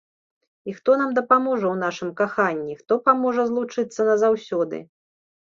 І хто нам дапаможа ў нашым каханні, хто паможа злучыцца назаўсёды?